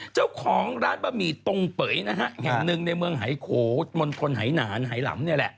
เจ้าของร้านบะหมี่ตรงเป๋ยนะฮะแห่งหนึ่งในเมืองหายโขมณฑลหายหนานหายหลำเนี่ยแหละ